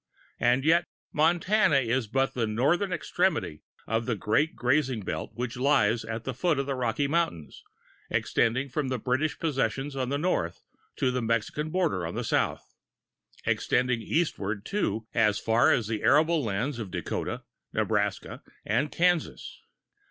And yet Montana is but the northern extremity of the great grazing belt which lies at the foot of the Rocky Mountains, extending from the British possessions on the north to the Mexican border on the south, extending eastward, too, as far as the arable lands of Dakota, Nebraska and Kansas.